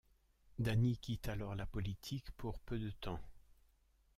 Dany quitte alors la politique pour peu de temps.